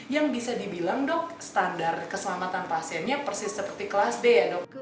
yang bisa dibilang dok standar keselamatan pasiennya persis seperti kelas d ya dok